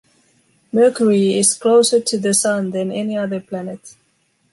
Mercury is closer to the sun than any other planet.